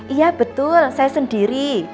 iya betul saya sendiri